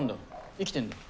生きてんだよ。